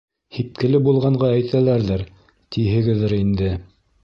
Һипкелле булғанға әйтәләрҙер, тиһегеҙҙер инде.